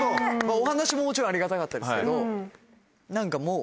お話ももちろんありがたかったですけど。